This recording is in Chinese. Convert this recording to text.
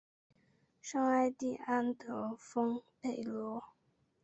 圣艾蒂安德丰贝隆。